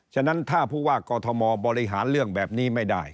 ฉะนั้นถ้าผู้ว่ากอทมบริหารเรื่องแบบนี้ไม่ได้